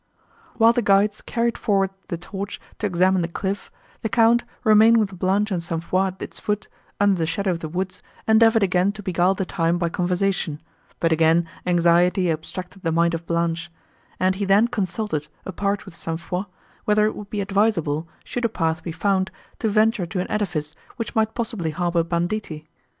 While the guides carried forward the torch to examine the cliff, the Count, remaining with Blanche and St. Foix at its foot, under the shadow of the woods, endeavoured again to beguile the time by conversation, but again anxiety abstracted the mind of Blanche; and he then consulted, apart with St. Foix, whether it would be advisable, should a path be found, to venture to an edifice, which might possibly harbour banditti.